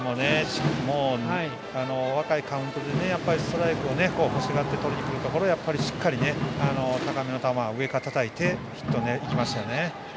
若いカウントでストライクを欲しがってとるところをしっかり高めの球を上からたたいてヒットにしました。